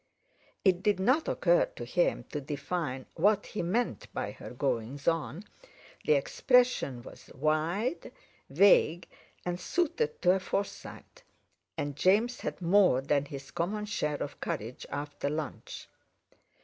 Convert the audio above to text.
It did not occur to him to define what he meant by her "goings on". the expression was wide, vague, and suited to a Forsyte. And James had more than his common share of courage after lunch.